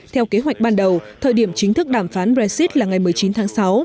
theo kế hoạch ban đầu thời điểm chính thức đàm phán brexit là ngày một mươi chín tháng sáu